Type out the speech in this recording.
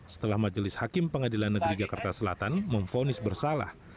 setelah majelis hakim pengadilan negeri jakarta selatan memfonis bersalah